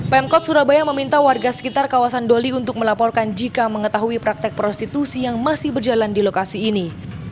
pemkot surabaya meminta warga sekitar kawasan doli untuk melaporkan jika mengetahui praktek prostitusi yang masih berjalan di lokasi ini